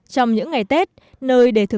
trong những ngày tết nơi đề thửng